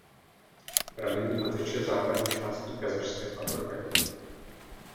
Pramení a teče západní částí Kazašské pahorkatiny.